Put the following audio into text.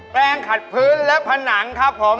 แปลงขัดพื้นและผนังครับผม